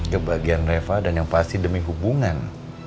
kebahagiaan reva dan yang pasti demi hubungan